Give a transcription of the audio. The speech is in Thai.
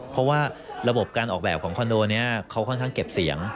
เพราะว่าระบบการออกแบบของคอนโดนี้เขาค่อนข้างเก็บเสียง